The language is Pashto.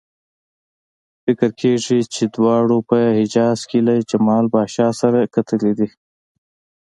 فکر کېږي چې دواړو په حجاز کې له جمال پاشا سره کتلي دي.